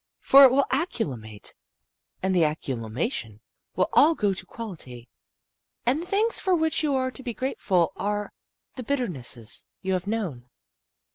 For it will accumulate, and the accumulation will all go to quality. And the things for which you are to be grateful are the bitternesses you have known.